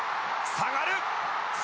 下がる！